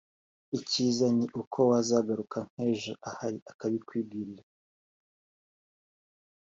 icyiza ni uko wazagaruka nk’ejo ahari akabikwibwirira”